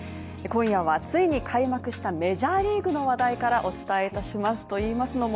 今夜はついに開幕したメジャーリーグの話題からお伝えします。